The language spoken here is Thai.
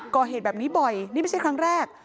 ก่อเหตุแบบนี้บ่อยนี่ไม่ใช่ครั้งแรก